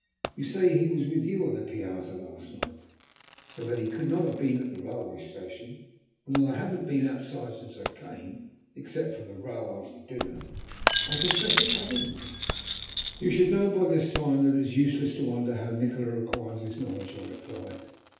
You say he was with you on the piazza last night, so that he could not have been at the railway station, and as I haven't been outside since I came, except for the row after dinner, I confess it puzzles me." "You should know by this time that it is useless to wonder how Nikola acquires his knowledge," I replied.